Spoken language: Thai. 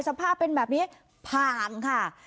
สภาพเป็นแบบนี้ผ่างค่ะ